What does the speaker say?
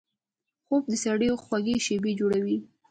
خوب د سړي خوږې شیبې جوړوي